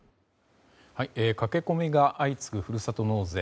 駆け込みが相次ぐふるさと納税。